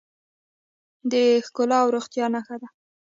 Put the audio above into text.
د ښکلا او روغتیا نښه ده.